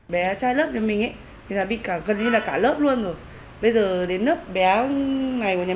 bé trai lớp nhà mình ấy thì là bị gần như là cả lớp luôn rồi bây giờ đến lớp bé ngày của nhà